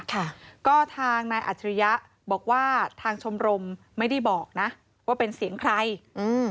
ค่ะก็ทางนายอัจฉริยะบอกว่าทางชมรมไม่ได้บอกนะว่าเป็นเสียงใครอืม